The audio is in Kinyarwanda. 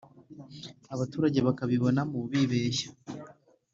abaturage bakabibonamo bibeshya,